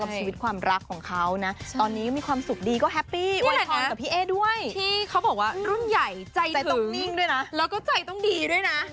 ชีวิตความรักของเขานะตอนนี้มีความสุขดีก็แฮปปี้อวยพรกับพี่เอ๊ด้วยที่เขาบอกว่ารุ่นใหญ่ใจต้องนิ่งด้วยนะแล้วก็ใจต้องดีด้วยนะ